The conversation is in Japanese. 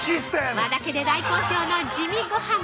◆和田家で大好評の地味ごはん。